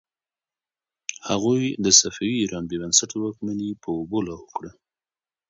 هغوی د صفوي ایران بې بنسټه واکمني په اوبو لاهو کړه.